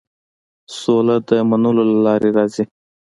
سوله د منلو له لارې راځي.